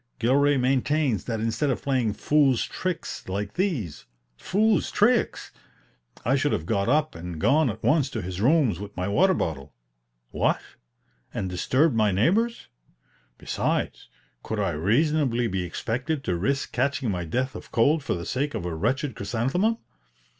Gilray maintains that instead of playing "fool's tricks" like these ("fool's tricks!") I should have got up and gone at once to his rooms with my water bottle. What? and disturbed my neighbors? Besides, could I reasonably be expected to risk catching my death of cold for the sake of a wretched chrysanthemum?